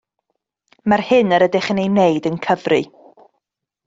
Mae'r hyn yr ydych yn ei wneud yn cyfri